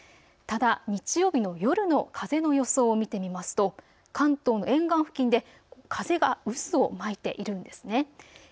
ただ日曜日の夜の風の予想を見てみますと関東の沿岸付近で風が渦を巻いているんですね。